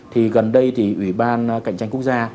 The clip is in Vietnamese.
thì gần đây thì ủy ban cạnh tranh quốc gia